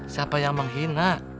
siapa yang menghina